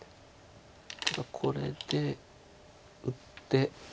ただこれで打って。